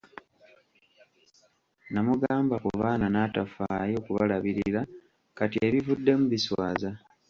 Nnamugamba ku baana n'atafaayo kubalabirira kati ebivuddemu biswaza.